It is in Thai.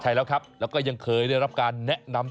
ใช่แล้วครับแล้วก็ยังเคยได้รับการแนะนำ